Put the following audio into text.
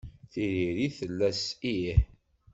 Tiririt tella s ih.